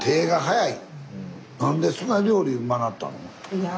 いや。